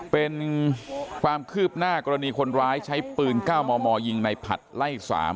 เป็นความคืบหน้ากรณีคนร้ายใช้ปืน๙มมยิงในผัดไล่๓